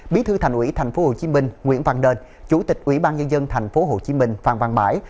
bí thư thành ủy thành phố hồ chí minh nguyễn văn đền chủ tịch ủy ban nhân dân thành phố hồ chí minh phan văn bãi